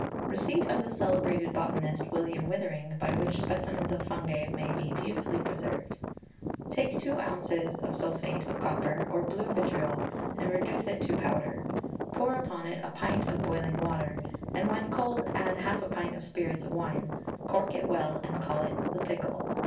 Receipt of the celebrated botanist, William Withering, by which specimens of fungi may be beautifully preserved. "Take two ounces of sulphate of copper, or blue vitriol, and reduce it to powder; pour upon it a pint of boiling water; and when cold, add half a pint of spirits of wine; cork it well, and call it 'the pickle.'